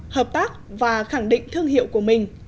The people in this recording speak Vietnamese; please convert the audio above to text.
hợp tác và khẳng định thương hiệu của mình